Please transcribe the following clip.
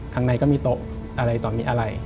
ข้างในก็มีโต๊ะอะไรต่อมีอะไร